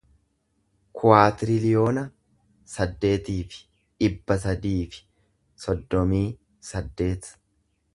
kuwaatiriliyoona saddeetii fi dhibba sadii fi soddomii saddeet